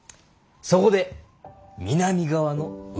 そこで南側の海だ。